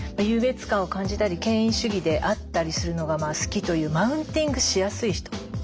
優越感を感じたり権威主義であったりするのが好きというマウンティングしやすい人。